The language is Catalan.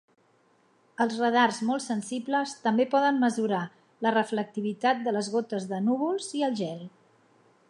Els radars molt sensibles també poden mesurar la reflectivitat de les gotes de núvols i el gel.